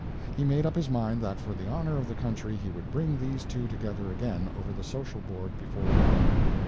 He made up his mind that for the honor of the country he would bring these two together again over the social board before long.